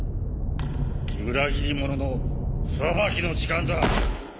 裏切り者の裁きの時間だ。